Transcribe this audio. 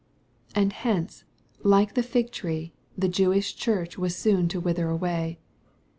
And hence, like the fig tree, the Jewish church was soon to wither away.